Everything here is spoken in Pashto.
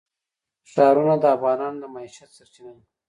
ښارونه د افغانانو د معیشت سرچینه ده.